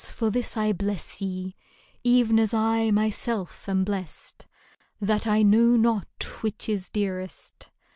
For this I bless ye, Even as I myself am blest. That I know not which is dearest.